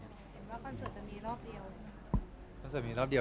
เห็นว่าความสุขจะมีรอบเดียว